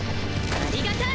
ありがた！